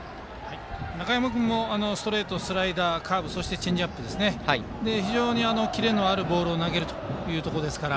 中山君もストレートスライダー、カーブそしてチェンジアップと非常にキレのあるボールを投げるので。